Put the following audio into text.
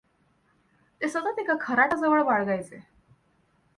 ते सतत एक खराटा जवळ बाळगायचे.